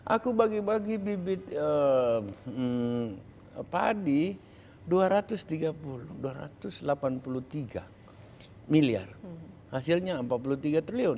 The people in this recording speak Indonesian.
aku bagi bagi bibit padi dua ratus tiga puluh dua ratus delapan puluh tiga miliar hasilnya empat puluh tiga triliun